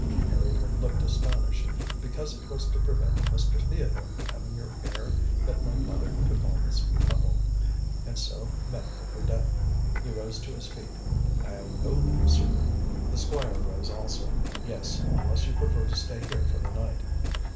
Harry looked astonished. "Because it was to prevent Mr. Theodore becoming your heir that my mother took all this trouble, and so met with her death." He rose to his feet. "I'll go now, sir." The Squire rose also, "Yes, unless you prefer to stay here for the night."